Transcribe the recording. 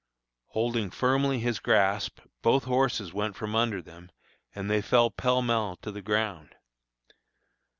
Holding firmly his grasp, both horses went from under them, and they fell pell mell to the ground.